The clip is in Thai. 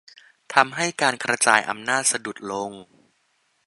ทำให้การกระจายอำนาจสะดุดลง